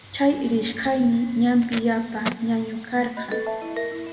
Chay rishkayni ñampi yapa ñañu karka.